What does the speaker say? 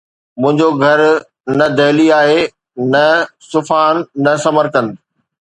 منهنجو گهر نه دهلي آهي نه صفحان نه سمرقند